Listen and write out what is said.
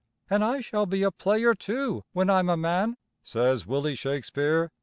"An' I shall be a player, too, when I'm a man," says Willy Shakespeare.